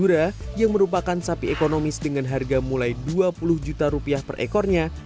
kura yang merupakan sapi ekonomis dengan harga mulai dua puluh juta rupiah per ekornya